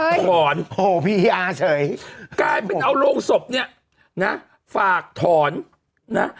ถอนพี่ยาเฉยกลายเป็นเอาโรงศพเนี่ยนะฝากถอนนะ